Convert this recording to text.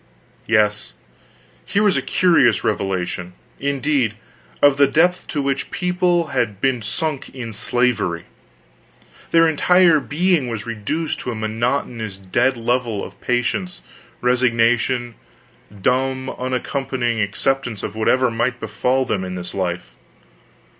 Yes, here was a curious revelation, indeed, of the depth to which this people had been sunk in slavery. Their entire being was reduced to a monotonous dead level of patience, resignation, dumb uncomplaining acceptance of whatever might befall them in this life.